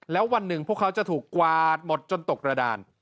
แล้ววันหนึ่งพวกเขาจะถูกกวาดหมดจนตกกระดาน